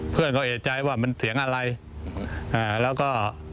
เพื่อนก็เอกใจว่ามันเสียงอะไรแล้วก็